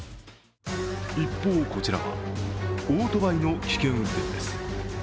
一方、こちらはオートバイの危険運転です。